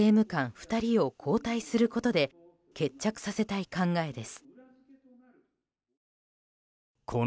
２人を交代することで決着させたい考えです。